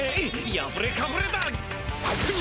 やぶれかぶれだ！